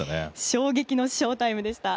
衝撃のショータイムでした。